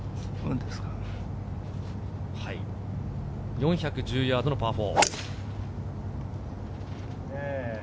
４１０ヤードのパー４。